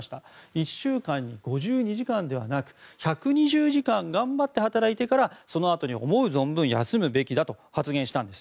１週間に５２時間ではなく１２０時間頑張って働いてからそのあとに思う存分休むべきだと発言したんです。